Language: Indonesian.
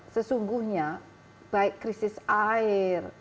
sesungguhnya baik krisis air